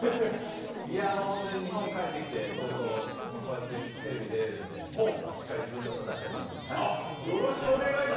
本当に日本に帰ってきて早々こうやってテレビに出れるんでしっかり自分のよさを出したいと思います。